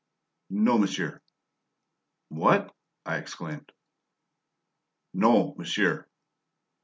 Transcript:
"No, monsieur." "What?" I exclaimed. "No, monsieur."